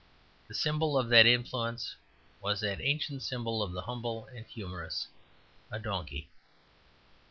The symbol of that influence was that ancient symbol of the humble and humorous a donkey.